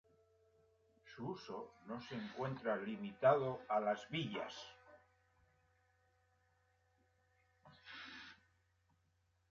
Su uso no se encuentra limitado a las villas.